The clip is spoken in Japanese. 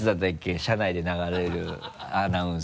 車内で流れるアナウンス。